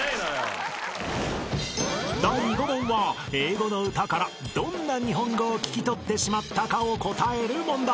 ［第５問は英語の歌からどんな日本語を聞き取ってしまったかを答える問題］